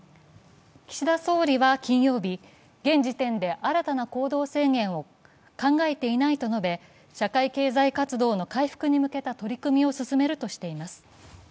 岸田総理は金曜日、現時点で新たな行動制限を考えていないと述べ社会経済活動の回復に向けた取り組みを進めるとしています。